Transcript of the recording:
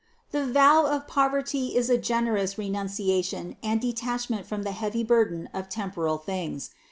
452. The vow of poverty is a generous renunciation and detachment from the heavy burden of temporal things.